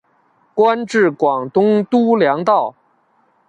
官至广东督粮道。